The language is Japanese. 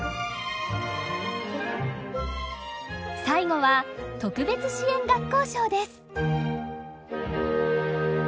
最後は特別支援学校賞です。